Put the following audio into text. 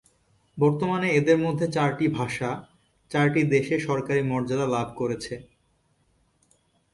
বর্তমানে এদের মধ্যে চারটি ভাষা চারটি দেশে সরকারী মর্যাদা লাভ করেছে।